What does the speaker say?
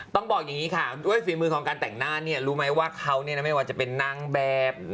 ต้องบอกอย่างนี้ค่ะด้วยฝีมือของการแต่งหน้ารู้ไหมว่าเขาไม่ว่าจะเป็นนางแบบ